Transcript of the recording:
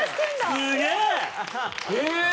すげえ！